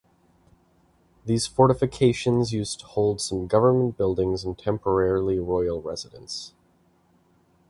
These fortifications used to hold some government buildings and temporarily royal residence.